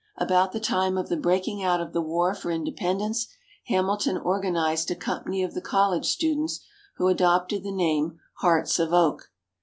About the time of the breaking out of the War for Independence, Hamilton organized a company of the college students who adopted the name "Hearts of Oak."